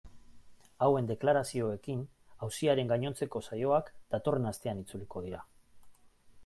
Hauen deklarazioekin auziaren gainontzeko saioak datorren astean itzuliko dira.